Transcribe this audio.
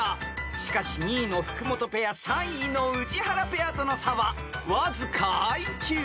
［しかし２位の福本ペア３位の宇治原ペアとの差はわずかＩＱ２０］